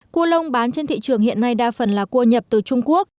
cua lông bán trên thị trường hiện nay đa phần là cua nhập từ trung quốc